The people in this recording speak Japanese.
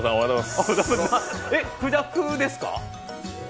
えっ、くじゃくですか？